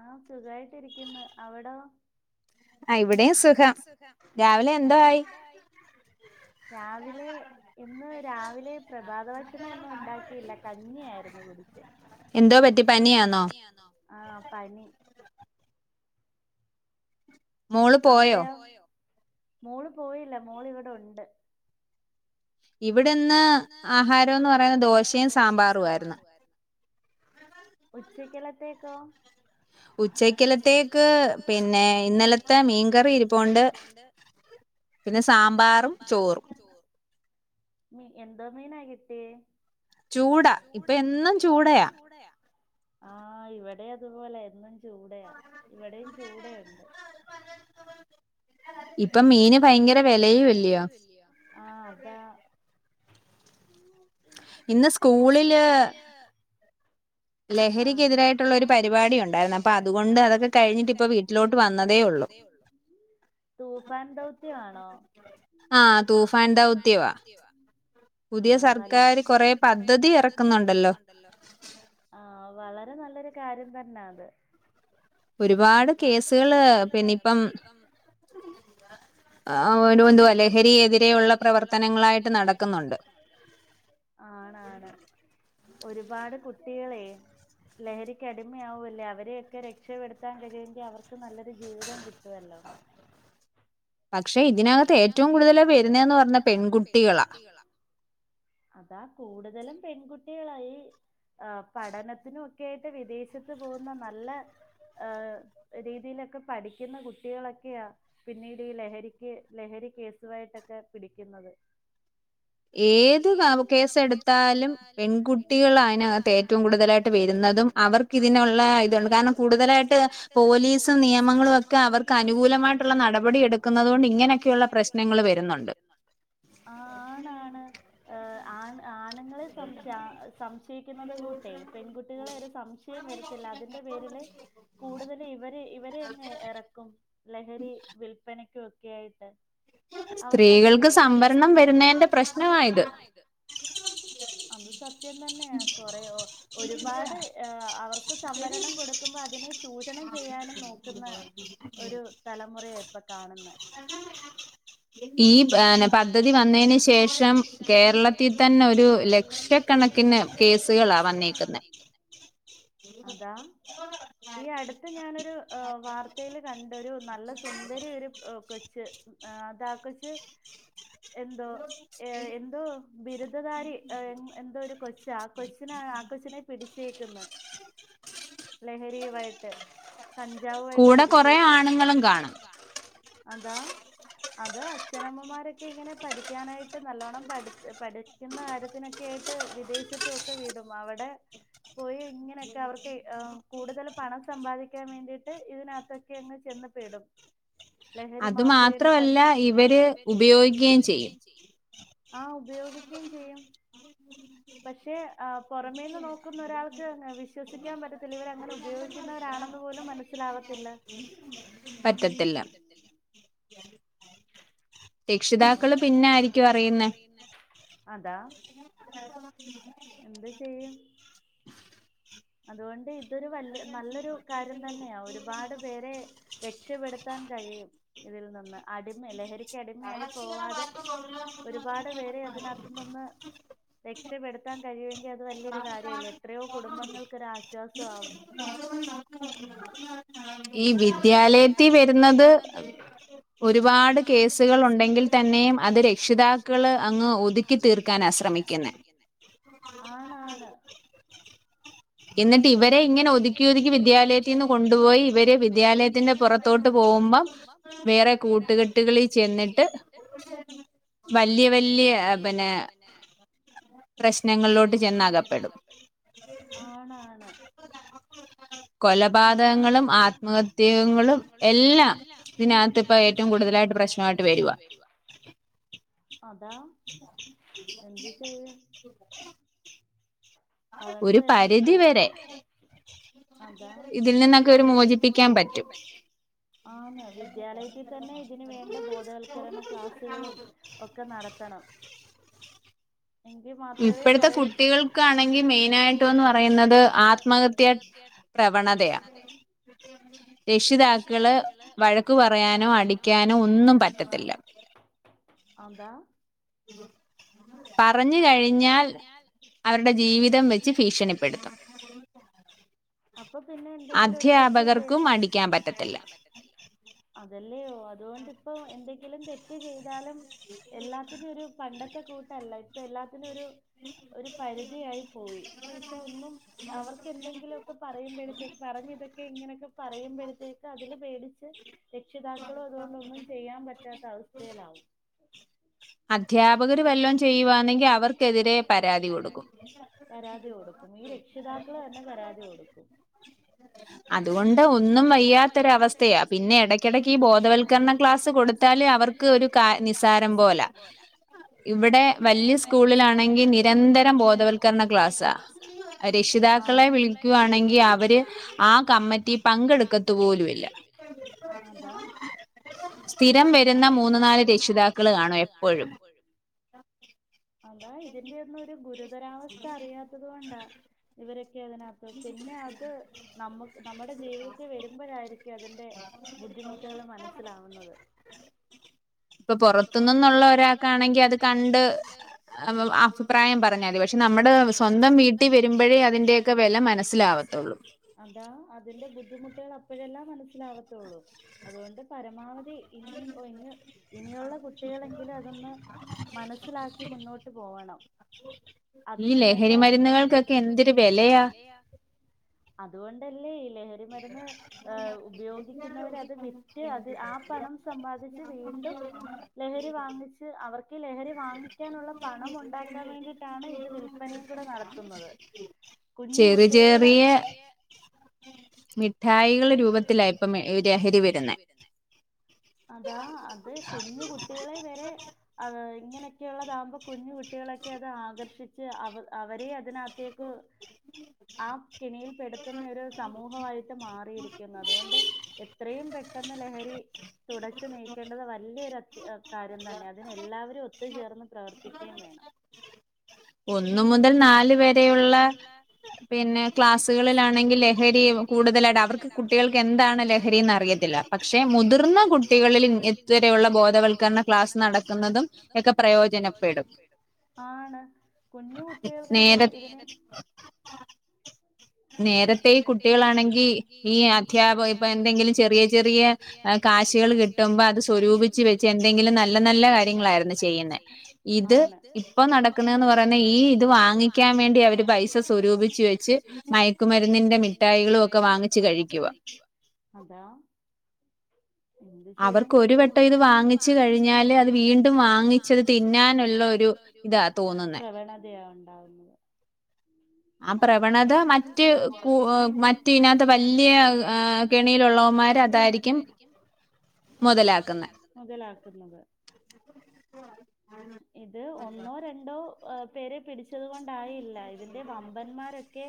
ആഹ് സുഖമായിട്ടിരിക്കുന്നു അവിടോ ഇവിടെയും സുഖം രാവിലെ എന്തോ ആയി രാവിലെ ഇന്ന് രാവിലെ പ്രഭാത ഭക്ഷണം ഒന്നും ഉണ്ടാക്കിയില്ല കഞ്ഞിയായിരുന്നു കുടിച്ചെ എന്തോ പറ്റി എന്തോ പറ്റി പനിയാണോ ആഹ് പനി അവിടെയോ മോള് പോയില്ല മോൾ ഇവിടെ ഉണ്ട് ഇവിടെ ഇന്ന് ആഹാരംന്ന് പറയുന്ന ദോശയും സാമ്പാറും ആയിരുന്നു ഉച്ചയ്ക്കലത്തേക്കോ ഉച്ചക്കലത്തേക്ക് പിന്നെ ഇന്നലത്തെ മീൻകറി ഇരിപ്പോണ്ട് പിന്നെ സാമ്പാറും ചോറും മീ എന്താ മീനാ കിട്ടിയേ ചൂടാ ഇപ്പ എന്നും ചൂടയാ ആ ഇവിടെം അതുപോലെ എന്നും ചൂടയാ ഇവിടെയും ചൂടെയൊണ്ട് ഇപ്പം മീന് ഭയങ്കര വിലയും അല്ലയോ ആഹ് അതാ ഇന്ന് സ്കൂളില് ലഹരിക്കെതിരായിട്ടുള്ള ഒരു പരിപാടി ഉണ്ടായിരുന്നു അപ്പൊ അതുകൊണ്ട് അതൊക്കെ കഴിഞ്ഞിട്ട് ഇപ്പ വീട്ടിലോട്ട് വന്നതേ ഉള്ളു [inaudible] തൂഫാൻ ദൗത്യമാണോ ആഹ് തൂഫാൻ ദൗത്യവാ പുതിയ സർക്കാര് കൊറെേ പദ്ധതി ഇറക്കുന്നുണ്ടല്ലോ ല്ലോ ആഹ് വളരെ നല്ലൊരു കാര്യം തന്നാ അത് ഒരുപാട് കേസുകള് പിന്നിപ്പം ആ ഓരുവന്ത് ലഹരി എതിരെയുള്ള പ്രവർത്തനങ്ങളായിട്ട് നടക്കുന്നുണ്ട് ആണാണ് ഒരുപാട് കുട്ടികളേ ലഹക്ക് അടിമയാവല്ലേ അവരെയൊക്കെ രക്ഷപ്പെടുത്താൻ കഴിയെങ്കിൽ അവർക്ക് നല്ലൊരു ജീവിതം കിട്ടുവല്ലോ പക്ഷെ ഇതിനകത്ത് ഏറ്റവും കൂടുതൽ വരുന്നേന്ന് പറഞ്ഞാ പെൺകുട്ടികളാ അതാ കൂടുതലും പെൺകുട്ടികളായി ആ പഠനത്തിനും ഒക്കെ ആയിട്ട് വിദേശത്ത് പോകുന്ന നല്ല ഏഹ രീതിയിലൊക്കെ പഠിക്കുന്ന കുട്ടികളൊക്കെയാ പിന്നീട് ഈ ലഹരി ലഹരി കേസുവായിട്ടൊക്കെ പിടിക്കുന്നത് ഏത് കേസ് എടുത്താലും പെൺകുട്ടികളാ അതിനകത്ത് ഏറ്റവും കൂടുതലായിട്ട് വരുന്നതും അവർക്ക് ഇതിനുള്ള ഇതുണ്ട് കാരണം കൂടുതലായിട്ട് പോലീസും നിയമങ്ങളും ഒക്കെ അവർക്ക് അനുകൂലമായിട്ടുള്ള നടപടി എടുക്കുന്നത് കൊണ്ട് ണ്ട് ഇങ്ങനെയൊക്കെയുള്ള പ്രശ്നങ്ങൾ വരുന്നുണ്ട് ആ ആണ് ആണ് ആ ജനങ്ങളെ സംശ സംശയിക്കുന്നത് കൂട്ടെ പെൺകുട്ടികളെ ഒരു സംശയം വരത്തില്ല അതിന്റെ പേരില് കൂടുതൽ ഇവര് ഇവര് അങ്ങെ ഇറക്കും ലഹരി വൽപനയ്ക്കും ഒക്കെ ആയിട്ട് അവർക്ക്തിൽ സ്ത്രീകൾക്ക് സംവരണം വരുന്നതിന്റെ പ്രശ്നമായിത് അത് സത്യം തന്നെയാ കൊറേ ഒ ഒരുപാട് അവർക്ക് സംവരണം കൊടുക്കുമ്പോ അതിനെ, ചൂഷണം ചെയ്യാനും നോക്ക്ന്നെ ഒരു തലമുറയാ ഇപ്പൊ കാണുന്നെ ഉ ഈ ഏ പദ്ധതി വന്നതിന് ശേഷം കേരളത്തി തന്നെ ഒരു ലക്ഷ ക്ഷക്കണക്കിന് കേസുകളാ വന്നേക്കുന്നെ അതാ ഈ അടുത്ത് ഞാനൊരു വാർത്തയിൽ കണ്ടൊരു നല്ല സുന്ദരി ഒരു കൊച്ച് അതാ കൊച്ച് എന്തോ ഏ എന്തോ ബിരുദധാരി എന്തോ ഒരു കൊച്ചാ ആ കൊച്ചിനാ ആ കൊച്ചിനെ പിടിച്ചേക്കുന്നെ ഉ ലഹരിയുവായിട്ട് കഞ്ചാവു ആയിട്ട് പിടിചേക്ക്ന്നു അതാ അത അച്ഛനമ്മമാരൊക്കെ ഇങ്ങനെ പഠിക്കാനായിട്ട് നല്ലോണ്ണം പഠി പഠിക്കുന്ന കാര്യത്തിനൊക്കായിട്ട് വിദേശത്ത് ക്കെ വിടും അവടെ പോയി ഇങ്ങനെയൊക്കെ അവർക്ക് കൂടുതൽ പണം സമ്പാദിക്കാൻ വേണ്ടിട്ട് ഇതിനകത്ത് ക്കെ അങ്ങ് ചെന്ന് പെടും ലഹരി മാഫിയയുടെ കണ്ണ് ഇവര് ഉപയോഗിക്യയും ചെയ്യും ആഹ് ഉപയോഗിക്യയും ചെയ്യും പക്ഷെ ആ പൊറമേന്ന് നോക്കുന്നൊരാൾക്കങ് വിശ്വസിക്കാൻ പറ്റ ത്തില്ല ഇവരങ്ങനെ ഉപയോഗിക്കുന്നവരാണെന്ന് പോലും മനസ്സിലാവ ത്തില്ല രക്ഷിതാക്കള് പിന്നായിരിക്കും അറിയുന്നേ പിന്നെ അതാ [inaudible] എന്ത്‌ ചെയ്യും അതോണ്ട് ഇതൊരു വല്യ നല്ലൊരു കാര്യം തന്ന്യ ഒരുപാട് പേരെ രക്ഷപ്പെടുത്താൻ കഴിയും ഇതിൽ നിന്ന് അടിമ ലഹരിക്ക്‌ അടി മയായി പോവാതെ ഒരുപാട് പേര് അതിനാത്ത്ന്നൊന്ന് രക് ക്ഷപ്പെടുത്താൻ കഴിയുങ്ങിൽ അത് വല്യോരു കാര്യല്ലെ എത്രോ കുടുംബങ്ങൾക്കൊരു ആശ്വാസാവും ഈ വിദ്യാലയത്തി വെരുന്നത് ഒരുപാട് കേസുകൾ ഉണ്ടെങ്കിൽ തന്നെയും അത് രക്ഷിതാക്കള് അങ്ങ് ഒതുക്കി തീർ ക്കാനാ ശ്രമിക്കുന്നെ ആണാണ് ന്ന്ട്ട് ഇവരെ ഇങ്ങനെ ഒതുക്കി ഒതുക്കി വിദ്യാലയത്യിന്ന് കൊണ്ടുപോയി ഇവരെ വിദ്യാലയത്തിന്റെ പുറത്തോട്ട് പോവും മ്പം വേറെ കൂട്ടുകെട്ടുകളി ചെന്നിട്ട് വല്യ വല്യ പിന്നെ പ്രശ്നങ്ങളിലോട്ട് ചെന്നകപ്പെടും ആണാണ് കൊലപാതകങ്ങളും ആത്മഹത്യങ്ങളും എല്ലാം ഇതിനകത്ത് ഇപ്പ എ ഇപ്പ ഏറ്റവും കൂടുതലായിട്ട് പ്രശ്നായിട്ട് വെരുവാ അതാ എന്ത് ചെയ്യും വളർന്ന വരുന്നസ്ക്കൂ ഒരു പരിതി വരെ അതാ ഇതിൽ നിന്നൊക്കെ ഒരു മോചിപ്പിക്കാൻ പറ്റും ആന്ന് വിദ്യാലയത്തിൽ തന്നെ ഇതിന് വേണ്ട ബോധവൽക്കരണ ക്ലാസ്സുകളും ഒക്കെ നടത്തണം എങ്കി മാത്രവെ കൊറെ ഇവിട്ത്തെ കുട്ടികൾ ഈ മെയിനായിട്ടുന്ന് പറയുന്നത് ആത്മഹത്യാ പ്രവണതയാ [inaudible] രക്ഷിതാക്കള് വഴക്കു പറയാനോ അടിക്കാനോ ഒന്നും പറ്റത്തില്ല. ആന്താ? [inaudible] പറഞ്ഞ് കഴിഞ്ഞാൽ അവരുടെ ജീവിതം വെച്ച് ഭീഷണിപ്പെടുത്തും. [inaudible] അപ്പൊ പിന്നെ എന്തെങ്കിലും ഒരു തെറ്റ് ചെ അധ്യാപകർക്കും അടിക്കാൻ പറ്റത്തില്ല. അതല്ലെ ഒ അതുകൊണ്ട് ഇപ്പോ എന്തെങ്കിലും തെറ്റ് ചെയ്താലും എല്ലാത്തിനും ഒരു പണ്ടത്തെ കൂട്ടല്ല ഇപ്പൊ എല്ലാത്തിനും ഒരു ഒരു പരിധിയായി പോയി എന്ന് വെച്ചാ ഒന്നും അവർക്ക് എന്തെങ്കിലും പ്പൊ പറയുമ്പോഴത്തേക്ക് പറഞ്ഞതൊക്കെ ഇങ്ങനെയൊക്കെ പറയുമ്പോഴത്തേക്ക് അതില് പേടിച്ച് രക്ഷിതാക്കളും അതുകൊണ്ടൊന്നും ചെയ്യാൻ പറ്റാത്ത അവസ്ഥയിലാവും. അധ്യാപകര് വല്ലോം ചെയ്യവാന്നെങ്കി അവർക്കെതിരെ പരാതി കൊടുക്കും. പരാതി കൊടുക്കും ഈ രക്ഷിതാക്കള് തന്നെ പരാതി കൊടുക്കും. അതുകൊണ്ട് ഒന്നും വയ്യാത്തൊരവസ്ഥയാ പിന്നെ എടക്കെടക്ക് ഈ ബോധവൽക്കര്ണ ക്ലാസ് കൊടുത്താല് അവർ ക് ഒര് കാ നിസാരം പോല ഇവടെ വല്ല്യ സ്കൂളിലാണെങ്കി നിരന്തരം ബോധവൽക്കരണ ക്ലാസ്സാ. രക്ഷിതാക്കളെ വിളിക്കുവാണെങ്കി അവര് അവര് ആ കമ്മറ്റി പങ്കെടുക്കതു പോലുല്ല അതാ. സ്ഥിരം വെരുന്ന മൂന്ന് നാല് രക്ഷിതാക്കള് കാണു എപ്പഴും. അതാ ഇതിന്റെയൊന്നും ഒരു ഗുരുതരാവസ്ഥ അറിയാത്തത് കൊണ്ടാ. ഇവരൊക്കെ അതിനാത്ത് പിന്നെ അത് നമ്മു നമ്മടെ ജീവിതത്തി വെരുമ്പഴായിരിക്കും അതി ന്റെ ബുദ്ധിമുട്ടെള് മനസ്സിലാവുന്നത്. ഇപ്പൊ പൊറത്തുനിന്നുള്ള ഒരാക്കാണെങ്കി അത് കണ്ട് അഭിപ്രായം പറഞ്ഞാതി പഷെ നമ്മടെ സ്വന്തം വീട്ടി വെരുമ്പഴേ അതിന്റെയൊക്കെ വെല മനസ്സിലാവ ലാവാതുള്ളു അതാ അതിന്റെ ബുദ്ധിമുട്ടെള് അപ്പോഴെല്ലാം മനസ്സിലാവത്തൊള്ളൂ. അതുകൊണ്ട് പരമാവധി ഇനി ഒ ഇന്ന് ഇനിയുള്ള കുട്ട്യേളെങ്കിലും അതൊന്ന് മനസ്സിലാക്കി മുന്നോട്ട് പോവണം. അതിന് വേണ്ട ഈ ലഹരിമരുന്നുകൾക്കൊക്കെ എന്തൊരു വെലയാ. അതുകൊണ്ടല്ലേ ഈ ലഹരിമരുന്ന് ഏഹ് ഉപയോഗിക്കുന്നവര് അത് വിറ്റ് അത് ആ പണം സമ്പാദിച്ച് വീണ്ടും ലഹരി വാങ്ങിച്ച് അവർക്ക് ലഹരി വാങ്ങിക്കാനുള്ള പണം ഉണ്ടാക്കാൻ വേണ്ടിയിട്ടാണ് ഇത് വിൽ പ്പനയും കൂടെ നടത്തുന്നത് കുഞ്ഞു കുട്ടികളുടെ ചെറിയെ മിഠായികള് രൂപത്തിലായിപ്പം ലഹരി വെരുന്നെ അതാ അതെ കുഞ്ഞു കുട്ട്യേളെ വെരെ അതെതെ ഇങ്ങനെയൊക്കെയു ള്ളതാമ്പോ കുഞ്ഞു കുട്ടികളൊക്കെ അത് ആകർഷിച്ച് അവ അവരെ അതിനകത്തേക്ക് [inaudible] ആഹ് കെണിയിൽ പെടുത്തുന്ന ഒരു സമൂഹവായി ട്ട് മാറിയിരിക്കുന്നത് അത് കൊണ്ട് എത്രയും പെട്ടന്ന് ലഹരി തുടച്ചു നീക്കേണ്ടത് വ വല്ല്യൊര് കാര്യം തന്നെ അതിനെ എല്ലാവരും ഒത്തുചേർന്ന് പ്രവർത്തിക്കേം വേണം. ഒന്നു മുതൽ നാല് വരെയുള്ള പിന്നെ ക്ലാസ്സുകളിലാണെങ്കിൽ ലഹരി കൂടുതലാട്ട് അവർക്ക് കുട്ട്യേൾക്ക് എന്താണ് ലഹരിന്ന് അറിയത്തില്ല. പക്ഷെ മുതിർന്ന കുട്ടികളിൽ ത് വരെ ഇത് വരെ ള്ള ബോധവൽക്കരണ ക്ലാസ്സ് നടക്കുന്നതും ക്കെ പ്രയോജനപ്പെടും ആണ്. കുഞ്ഞു കുട്ടികൾക്ക് ഇത് ഇ നേരത്തെ ഈ കുട്ടികളാണെങ്കി ഈ അധ്യാപക ഇപ്പൊ എന്തെങ്കിലും ചെറിയ ചെറിയ എ കാശ്കള് കിട്ടുമ്പോ അത് സ്വരൂപിച്ച് വെച്ച് എന്തെങ്കിലും നല്ല നല്ല കാര്യങ്ങളായിര്ന്ന് ചെയ്യ്ന്നെ. ഇത് ഇപ്പൊ നടക്കുന്നന്ന് പറയുന്ന ഈ ഇത് വാങ്ങിക്കാൻ വേണ്ടി അവര് പൈസ സ്വരൂപിച്ച് വെച് വെച്ച് മയക്കുമരുന്നിന്റെ മിഠായികളും ഒക്കെ വാങ്ങിച്ച് കഴിക്കുവാ അതാ അവർക്ക് ഒരു വട്ടം ഇത് വാങ്ങിച്ചു കഴിഞ്ഞാല് അത് വീണ്ടും വാങ്ങിച്ചത് തിന്നാനുള്ള ഒരു പ്രവണതയാ ഉണ്ടാവുന്നത് ആ പ്രവണത മറ്റ് കു വൊ മറ്റ് ഈനകത്ത് വല്ല്യാ കെണിയിലുള്ളവന്മാര് ന്താരിക്കും മൊതലാക്കുന്നേ മൊതലാക്കുന്നത് ഇത് ഒന്നോ രണ്ടോ പേരെ പിടിച്ചത് കൊണ്ടായില്ല ഇതിന്റെ വമ്പന്മാരൊക്കെ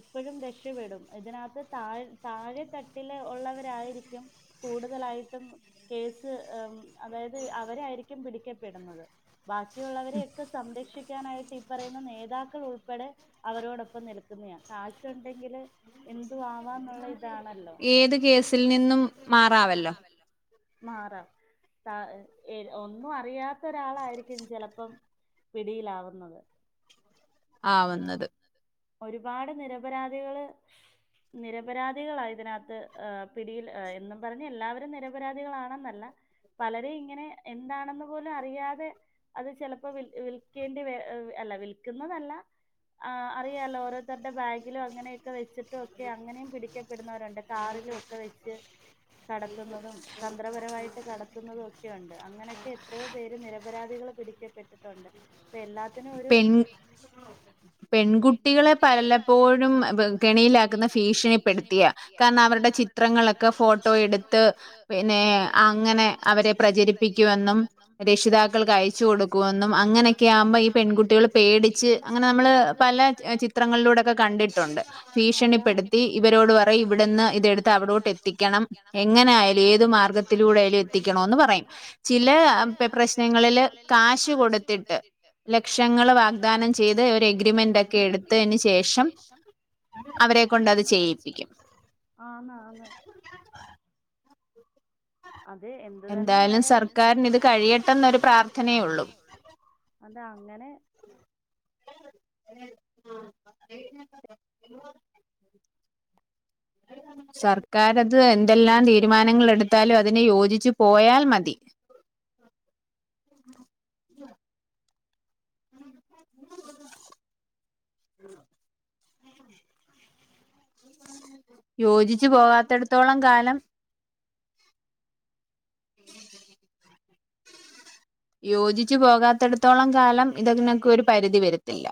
എപ്പഴും രക്ഷപെടും ഇതിനകത്ത് താഴെ താഴെത്തട്ടില് ഒള്ളവരായിരിക്കും കൂടുതലായിട്ടും കേസ് ഉം അതായത് അവരെയായിരിക്കും പിടിക്കപ്പെടുന്നത് ബാക്കിയുള്ളവരെയൊക്കെ സംരക്ഷിക്കാനായിട്ട് ഇ പറയുന്ന നേതാക്കളുൾപ്പെടെ അവരോടൊപ്പം നിൽക്കുന്നെയാ കാശുണ്ടെങ്കില് എന്തും ആവാംന്നുള്ള ഇതാണല്ലോ ഏത് കേസിൽ നിന്നും മാറാവല്ലോ മാറാം താ ഏ ഒന്നും അറിയാത്ത ഒരാളായിരി ക്കും ചെലപ്പം പിടിയിലാവുന്നത് ആ ഒരുപാട് നിരപരാധികള് നിരപരാധികളാ ഇതിനകത്ത് ആ പിടിയിൽ എന്നും പറഞ്ഞ് എല്ലാവരും നിരപരാധികളാണെന്നല്ല പലരും ഇങ്ങനെ എന്താണെന്ന് പോലും അറിയാതെ അത് ചെലപ്പോ വിൽ വിൽക്കേണ്ടി വെ അല്ല വിൽക്കുന്നതല്ല ആ അറിയലോ ഓരോത്തരുടെ ബാഗിലും അങ്ങനെയൊക്കെ വെച്ചിട്ടും ഒക്കെ അങ്ങനെയും പിടിക്കപ്പെടുന്നവരുണ്ട് കാറിലും ഒക്കെ വെച്ച് കടത്തുന്നതും തന്ത്രപരമായിട്ട് കടത്തുന്നതും ഒ ഒക്കെയുണ്ട് അങ്ങനെയൊക്കെ എത്രയോ പേര് നിരപരാധികള് പിടിക്കപ്പെട്ടിട്ടുണ്ട് പ്പ എല്ലാത്തിനും ഒരു പെൺകുട്ടികളെ പലപ്പോഴും കെണിയിലാക്കുന്ന ഫീഷണിപ്പെടുത്തിയാ കാരണം അവരുടെ ചി ത്രങ്ങളൊക്കെ ഫോട്ടോ എടുത്ത് പിന്നെ അങ്ങനെ അവരെ പ്രചരിപ്പിക്കുമെന്നും രക്ഷിതാക്കൾക്ക് അയച്ച് കൊടുക്കുമെന്നും അങ്ങനെയൊക്കെ ആവുംമ്പോ ഈ പെൺകുട്ടികള് പേടിച്ച് അങ്ങനെ നമ്മള് പല ചിത്രങ്ങളിലൂടൊക്കെ കണ്ടിട്ടുണ്ട് ഭീഷണിപ്പെടുത്തി ഇവരോട് പറയും ഇവിടുന്ന് ഇതെടുത്ത് അവിടോട്ട് എത്തിക്കണം എങ്ങനെയാലും ഏത് മാർഗ ത്തിലൂടെയാലും എത്തിക്കണോന്ന് പറയും ചില പെ പ്രശ്നങ്ങളെ ങ്ങളില് കാശ് കൊടുത്തിട്ട് ലക്ഷങ്ങള് വാഗ്ദാനം ചെയ്ത് ഒരു എഗ്രിമെന്റ് ഒക്കെ എടുത്തേന് ശേഷം അവരെ കൊണ്ട് അത് ചെയ്യിപ്പിക്കും ആന്ന് ആന്ന് അത് എന്ത് തന്നെയായാലും സർക്കാരിന് ഇത് കഴിയട്ടെന്നൊരു പ്രാര്ത്ഥനേയൊള്ളൂ അത് അങ്ങനെ ആ [unintelligible] സർക്കാർ അത് എന്തെല്ലാം തീരുമാനങ്ങൾ എടുത്താലും അതിനെ യോജിച്ചു പോയാൽ മതി യോജിച്ചു പോകാത്തെടത്തോളം കാലം യോജിച്ചു പോകാത്തിടത്തോളം കാലം ഇതിനോക്കെ ഒരു പരിധി വരത്തില്ല